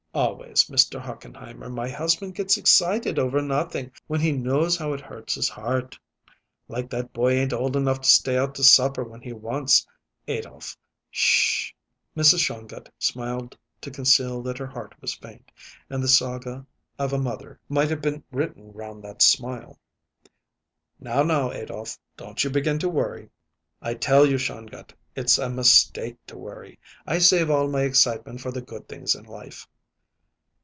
Always, Mr. Hochenheimer, my husband gets excited over nothing, when he knows how it hurts his heart. Like that boy ain't old enough to stay out to supper when he wants, Adolph! 'Sh h h!" Mrs. Shongut smiled to conceal that her heart was faint, and the saga of a mother might have been written round that smile. "Now, now, Adolph, don't you begin to worry." "I tell you, Shongut, it's a mistake to worry. I save all my excitement for the good things in life."